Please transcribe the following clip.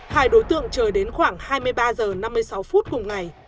hai đối tượng chờ đến khoảng hai mươi ba h năm mươi sáu phút cùng ngày